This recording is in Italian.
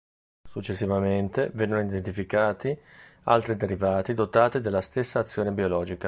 Successivamente vennero identificati altri derivati dotati della stessa azione biologica.